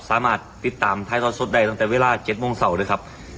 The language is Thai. สามารถติดตามถ่ายทอดสดได้ตั้งแต่เวลา๗โมงเสาร์ด้วยครับ